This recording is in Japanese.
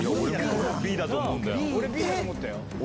俺はＢだと思った。